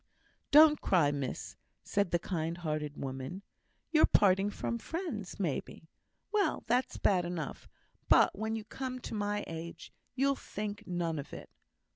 "Don't cry, miss," said the kind hearted woman. "You're parting from friends, maybe? Well, that's bad enough, but when you come to my age, you'll think none of it.